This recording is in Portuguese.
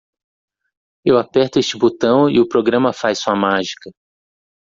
Eu aperto este botão e o programa faz sua mágica.